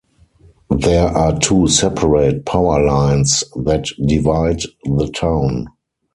There are two separate power lines that divide the town.